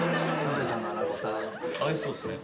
合いそうっすね。